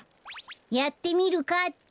やってみるかって。